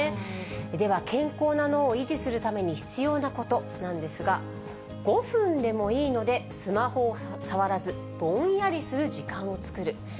では健康な脳を維持するために必要なことなんですが、５分でもいいので、スマホを触らず、ぼんやりする時間を作る。